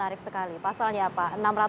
menarik sekali pasalnya apa